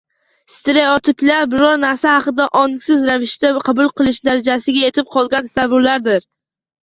Stereotiplar – biror narsa haqida ongsiz ravishda qabul qilinish darajasiga yetib qolgan tasavvurlardir.